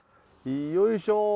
よいしょ。